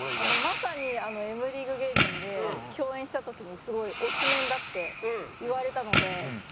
まさにＭリーグ芸人で共演した時にすごい推しメンだって言われたので４位に。